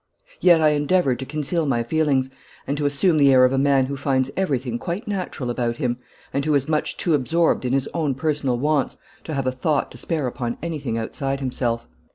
Yet I endeavoured to conceal my feelings, and to assume the air of a man who finds everything quite natural about him, and who is much too absorbed in his own personal wants to have a thought to spare upon anything outside himself.